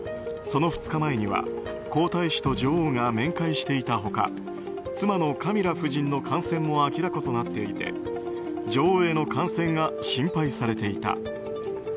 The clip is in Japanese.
その２日前には皇太子と女王が面会していた他妻のカミラ夫人の感染も明らかになっていて女王への感染が心配されていた。